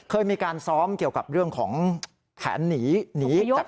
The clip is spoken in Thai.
เออถูกบ่